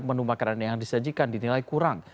menu makanan yang disajikan dinilai kurang